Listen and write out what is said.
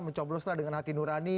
mencobloslah dengan hati nurani